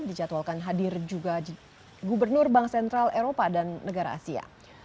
dijadwalkan hadir juga gubernur bank sentral eropa dan negara asia